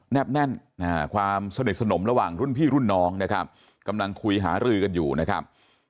บแน่นความสนิทสนมระหว่างรุ่นพี่รุ่นน้องนะครับกำลังคุยหารือกันอยู่นะครับ